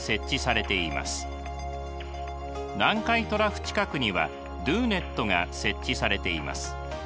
南海トラフ近くにはＤＯＮＥＴが設置されています。